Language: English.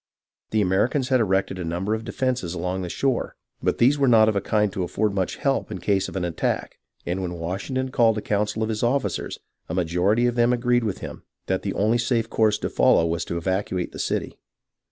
The Americans had erected a number of defences along the shore, but these were not of a kind to afford much help in case of an attack ; and when Washington called a council of his officers, a majority of them agreed with him that the only safe course to follow was to evacuate the city.